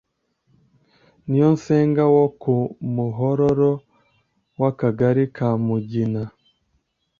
niyonsenga wo ku muhororo, wakagari ka mugina